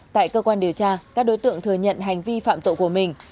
tại cơ quan điều tra các đối tượng thừa nhận hành vi phạm tội của mình